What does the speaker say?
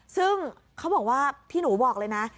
ซึ่งเขาบอกว่าพี่หนูบอกเลยนะ